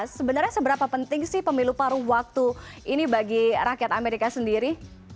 sebenarnya seberapa penting sih pemilu paru waktu ini bagi rakyat amerika sendiri